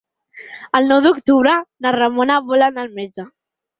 El nou d'octubre na Ramona vol anar al metge.